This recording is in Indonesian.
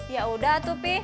yaudah tuh pih